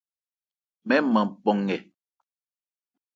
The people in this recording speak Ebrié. Mɛ́n nman pɔ nkɛ.